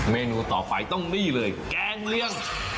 เมนูต่อไปต้องนี่เลยแกงเลี่ยง